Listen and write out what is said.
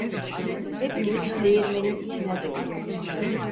Hepimiz değirmenin içine dolduk.